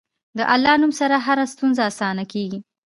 د الله نوم سره هره ستونزه اسانه کېږي.